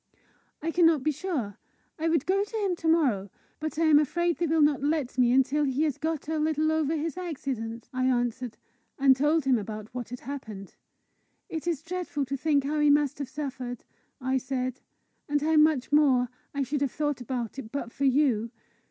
"I cannot be sure. I would go to him to morrow, but I am afraid they will not let me until he has got a little over this accident," I answered and told him what had happened. "It is dreadful to think how he must have suffered," I said, "and how much more I should have thought about it but for you!